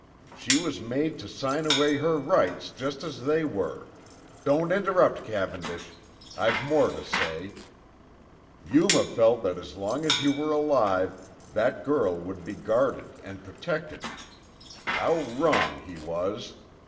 She was made to sign away her rights just as they were. Don't interrupt, Cavendish I've more to say. Yuma felt that as long as you were alive, that girl would be guarded and protected. How wrong he was!